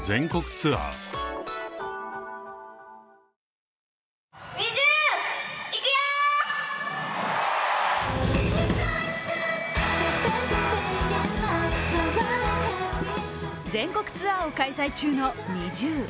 週末には全国ツアーを開催中のＮｉｚｉＵ。